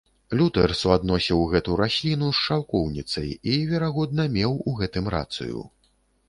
Лютэр суадносіў гэту расліну з шаўкоўніцай, і, верагодна, меў у гэтым рацыю.